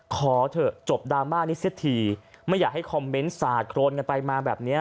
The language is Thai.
ขอเถอะจบดราม่านี้เสียทีไม่อยากให้คอมเมนต์สาดโครนกันไปมาแบบนี้